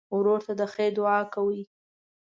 ورور ته د خیر دعا کوې.